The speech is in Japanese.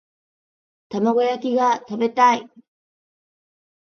玉子焼きが食べたい